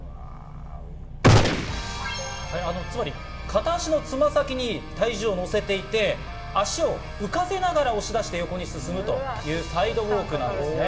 片足のつま先に体重を乗せていて、足を浮かせながら押し出して横に進むというサイドウォークなんですね。